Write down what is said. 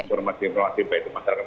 informasi informasi baik di masyarakat